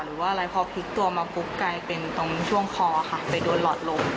หรือว่าอะไรพอพลิกตัวมาปุ๊บกลายเป็นตรงช่วงคอค่ะไปโดนหลอดลม